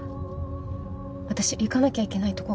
私行かなきゃいけないとこがあって。